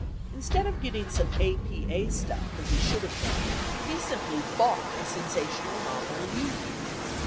Instead of getting some A.P.A. stuff as he should have done, he simply bought a sensational novel and used it.